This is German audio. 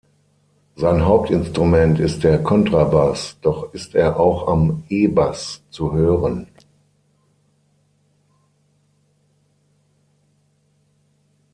Sein Hauptinstrument ist der Kontrabass, doch ist er auch am E-Bass zu hören.